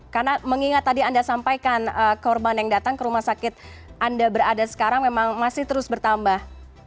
karena mengingat tadi anda sampaikan korban yang datang ke rumah sakit anda berada sekarang memang masih terus bertambah